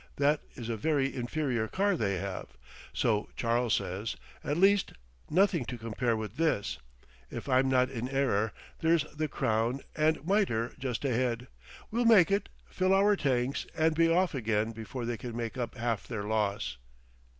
That is a very inferior car they have, so Charles says, at least; nothing to compare with this. If I'm not in error, there's the Crown and Mitre just ahead; we'll make it, fill our tanks, and be off again before they can make up half their loss."